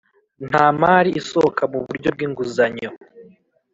Nta mari isohoka mu buryo bw’inguzanyo